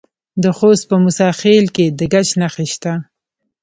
د خوست په موسی خیل کې د ګچ نښې شته.